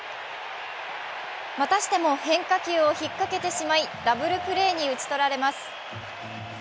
またしても変化球をひっかけてしまいダブルプレーに打ち取られます。